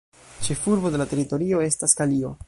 Ĉefurbo de la teritorio estas Kalio.